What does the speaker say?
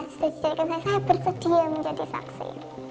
saya bersedia menjadi saksi